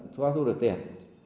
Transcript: có thu được tiền